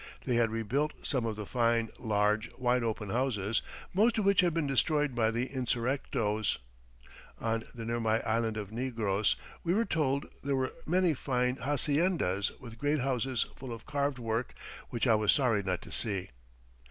They had rebuilt some of the fine, large, wide open houses, most of which had been destroyed by the insurrectos. (On the nearby island of Negros, we were told, there were many fine haciendas with great houses full of carved work which I was sorry not to see.)